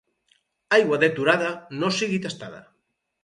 Aigua deturada no sigui tastada.